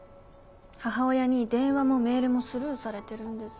母親に電話もメールもスルーされてるんです。